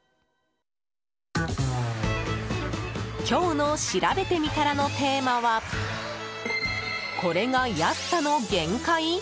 今日のしらべてみたらのテーマはこれが安さの限界？